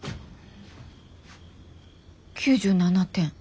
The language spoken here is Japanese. ９７点。